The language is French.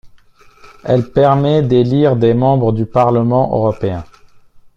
Elle permet d'élire des membres du Parlement européen.